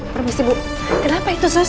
permisi bu kenapa itu